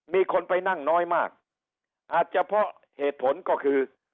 มีคนไปนั่งน้อยมากอาจจะเพราะเหตุผลก็คือ